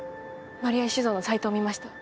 丸谷酒造のサイトを見ました。